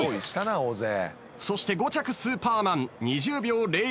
そして５着スーパーマン２０秒０１。